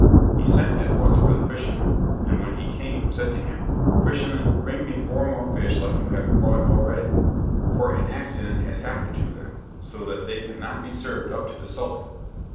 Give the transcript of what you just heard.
He sent at once for the fisherman, and when he came said to him, "Fisherman, bring me four more fish like you have brought already, for an accident has happened to them so that they cannot be served up to the Sultan."